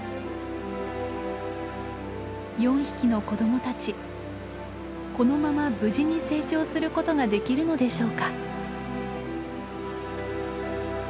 ４匹の子どもたちこのまま無事に成長することができるのでしょうか？